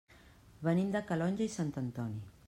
Venim de Calonge i Sant Antoni.